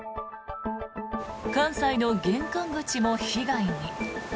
関西の玄関口も被害に。